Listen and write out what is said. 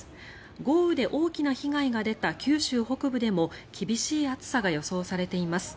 豪雨で大きな被害が出た九州北部でも厳しい暑さが予想されています。